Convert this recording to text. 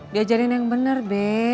diajarin yang bener be